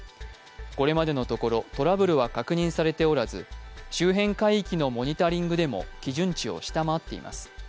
これまでのところ、トラブルは確認されておらず周辺海域のモニタリングでも基準値を下回っています。